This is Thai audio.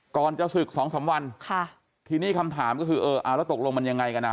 ก่อนจะศึก๒๓วันทีนี้คำถามก็คือเออแล้วตกลงมันยังไงกันนะ